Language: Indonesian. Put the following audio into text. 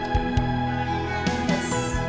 kamu bisa jadi ibu rusa